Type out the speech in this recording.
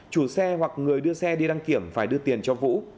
chủ xe hoặc người đưa xe đi đăng kiểm phải đưa tiền cho vũ